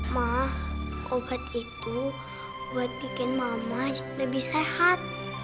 mah obat itu buat bikin mama lebih sehat